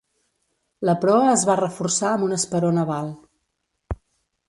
La proa es va reforçar amb un esperó naval.